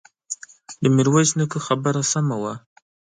د ميرويس نيکه خبره سمه وه.